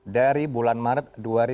dari bulan maret dua ribu dua puluh